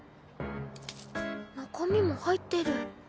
中身も入ってる。